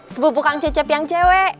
sepupu kang cecep yang cewek